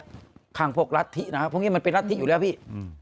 มีใคร้งพวกระทินะครับเพราะมันเป็นระทิอยู่แลร์พี่